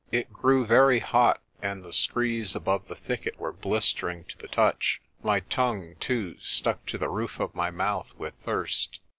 It grew very hot, and the screes above the thicket were blistering to the touch. My tongue, too, stuck to the roof of my mouth with thirst.